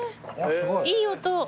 いい音。